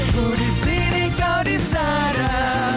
kudisini kau disana